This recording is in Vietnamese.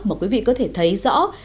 mà quý vị có thể thấy rõ